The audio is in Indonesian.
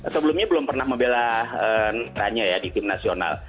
sebelumnya belum pernah membela nanya ya di tim nasional